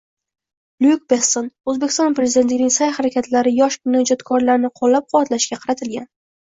Lyuk Besson: O‘zbekiston Prezidentining sa’y-harakatlari yosh kinoijodkorlarni qo‘llab -quvvatlashga qaratilgan